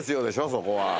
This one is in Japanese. そこは。